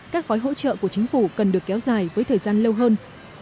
các gói hỗ trợ của chính phủ cần được kéo dài với thời gian lâu hơn